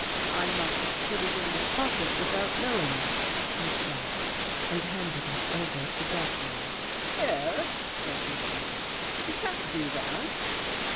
" I must have put it in my pocket without know ing," he said, and handed it over to Jeffrey. "Here!" said Richards. "You can't do that."